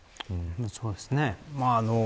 そうですね。